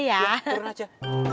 iya turun aja